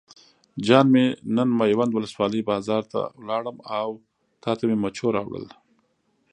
جان مې نن میوند ولسوالۍ بازار ته لاړم او تاته مې مچو راوړل.